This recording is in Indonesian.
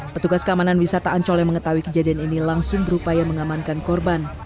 petugas keamanan wisata ancol yang mengetahui kejadian ini langsung berupaya mengamankan korban